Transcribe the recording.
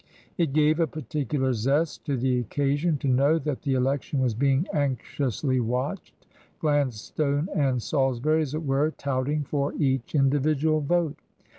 It gave a particular zest to the occasion to know that the election was being anxiously watched, Gladstone and Salisbury, as it were, touting for each individual vote.